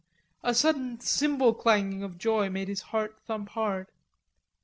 A sudden cymbal clanging of joy made his heart thump hard.